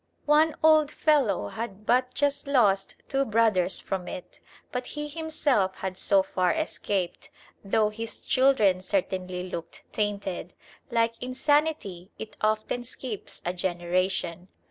One old fellow had but just lost two brothers from it, but he himself had so far escaped, though his children certainly looked tainted. Like insanity, it often skips a generation.